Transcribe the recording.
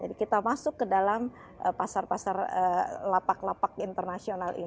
jadi kita masuk ke dalam pasar pasar lapak lapak internasional ini